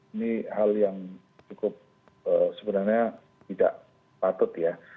ini hal yang cukup sebenarnya tidak patut ya